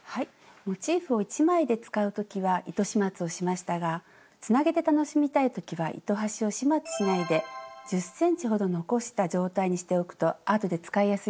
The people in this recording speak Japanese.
モチーフを１枚で使う時は糸始末をしましたがつなげて楽しみたい時は糸端を始末しないで１０ｃｍほど残した状態にしておくとあとで使いやすいですよ。